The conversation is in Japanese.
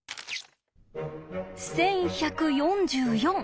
１１４４。